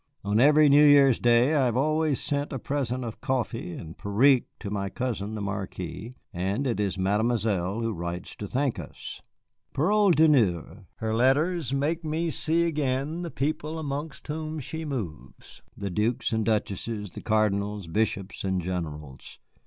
On every New Year's day I have always sent a present of coffee and périque to my cousin the Marquis, and it is Mademoiselle who writes to thank us. Parole d'honneur, her letters make me see again the people amongst whom she moves, the dukes and duchesses, the cardinals, bishops, and generals.